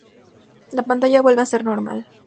La pantalla vuelve a ser normal.